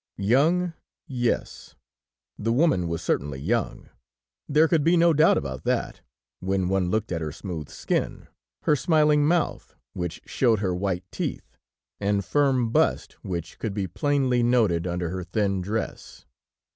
Young, yes; the woman was certainly young; there could be no doubt about that, when one looked at her smooth skin, her smiling mouth which showed her white teeth, and firm bust which could be plainly noted under her thin dress.